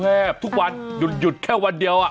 แทบทุกวันหยุดแค่วันเดียว